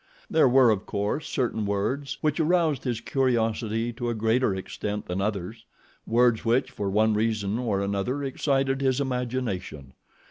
There were, of course, certain words which aroused his curiosity to a greater extent than others, words which, for one reason or another, excited his imagination.